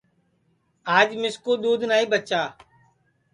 آج مِسکُو دؔودھ نائی بچا